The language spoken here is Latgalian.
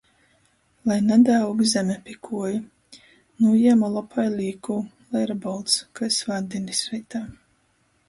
Lai nadaaug zeme pi kuoju. Nūjiemu lopai līkū. Lai ir bolts. Kai svātdīnis reitā.